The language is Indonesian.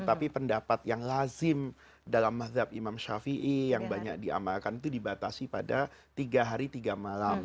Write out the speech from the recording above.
tapi pendapat yang lazim dalam mazhab imam ⁇ shafii ⁇ yang banyak diamalkan itu dibatasi pada tiga hari tiga malam